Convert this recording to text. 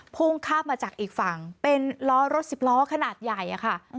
พุ่งข้ามมาจากอีกฝั่งเป็นล้อรถสิบล้อขนาดใหญ่อะค่ะ